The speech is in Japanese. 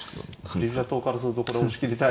振り飛車党からするとこれは押し切りたい。